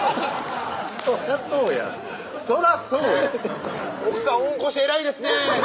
そらそうやそらそうや「奥さんうんこして偉いですね」